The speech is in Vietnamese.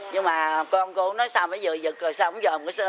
nhưng mà con cô nói sao mới vừa giật rồi sao không vừa